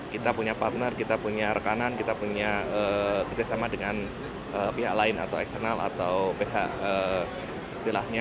kita punya partner kita punya rekanan kita punya kerjasama dengan pihak lain atau eksternal atau pihak istilahnya